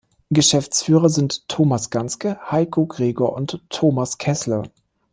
Geschäftsführer sind Thomas Ganske, Heiko Gregor und Thomas Keßler.